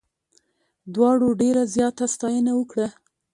دواړو ډېره زیاته ستاینه وکړه.